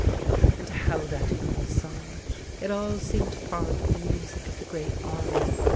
And how that hymn was sung! It all seemed part of the music of the Great Army.